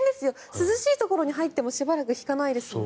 涼しいところに入ってもしばらく引かないですもん。